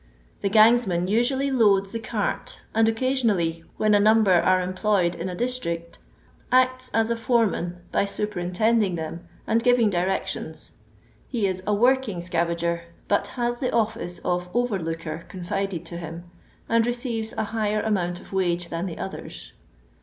The gangsman usually loads the cart, and occasionally, when a number are em ployed in a district, acts as a foreman by superin tending them, and giving directions; he is a working scavager, but has the office of over looker confided to him, and receives a higher amount of wage than the others.